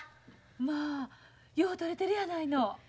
まあよう撮れてるやないの。